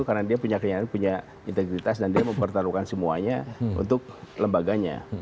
karena dia punya kenyataan punya integritas dan dia mempertaruhkan semuanya untuk lembaganya